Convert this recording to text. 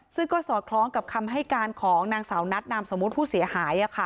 ซึ่งก็สอดคล้องกับคำให้การของนางสาวนัทนามสมมุติผู้เสียหาย